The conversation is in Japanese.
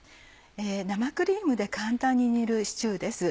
生クリームで簡単に煮るシチューです。